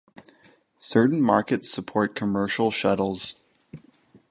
Certain markets support commercial shuttles.